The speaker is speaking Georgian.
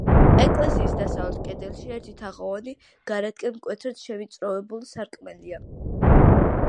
ეკლესიის დასავლეთ კედელში ერთი თაღოვანი, გარეთკენ მკვეთრად შევიწროებული სარკმელია.